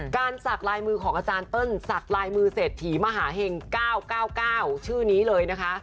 สักลายมือของอาจารย์เติ้ลสักลายมือเศรษฐีมหาเห็ง๙๙๙ชื่อนี้เลยนะคะ